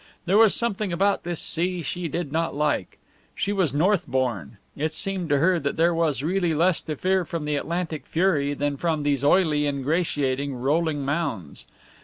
There was something about this sea she did not like. She was North born. It seemed to her that there was really less to fear from the Atlantic fury than from these oily, ingratiating, rolling mounds.